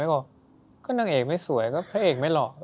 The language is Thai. ไม่บอกว่าก็นางเอกไม่สวยก็พระเอกไม่หล่อ